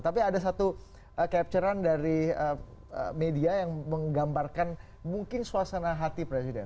tapi ada satu capture an dari media yang menggambarkan mungkin suasana hati presiden